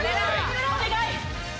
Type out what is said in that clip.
お願い！